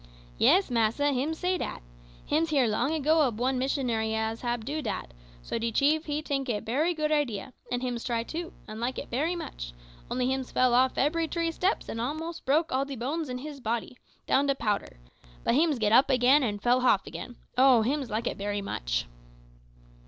"Yis, massa, hims say dat. Hims hear long ago ob one missionary as hab do dat; so de chief he tink it bery good idea, an' hims try too, an' like it bery much; only hims fell off ebery tree steps an' a'most broke all de bones in him's body down to powder. But hims git up agin and fell hoff agin. Oh, hims like it bery much!"